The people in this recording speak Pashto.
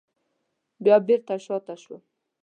بیا بېرته شاته شوم.